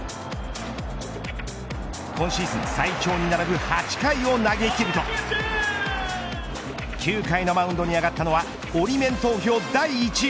今シーズン最長に並ぶ８回を投げきると９回のマウンドに上がったのはオリメン投票第１位。